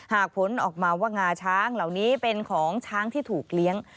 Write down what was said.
ผลออกมาว่างาช้างเหล่านี้เป็นของช้างที่ถูกเลี้ยง